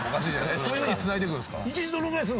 そういうふうにつないでくんすか？